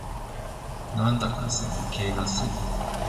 なんだか寒気がする